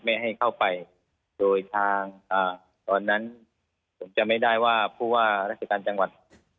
ไม่ให้เข้าไปโดยทางตอนนั้นผมจำไม่ได้ว่าผู้ว่าราชการจังหวัด